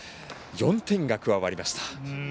４点が加わりましたね。